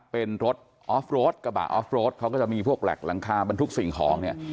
เป็นรถออฟโรดกระบะออฟโรดเขาก็จะมีพวกแหลกหลังคาบรรทุกสิ่งของเนี่ย